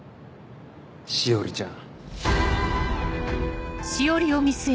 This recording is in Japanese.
詩織ちゃん。